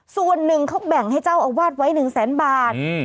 ส่วนหนึ่งเขาแบ่งให้เจ้าอาวาสไว้๑แสนบาท